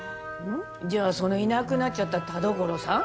じゃあそのいなくなっちゃった田所さん？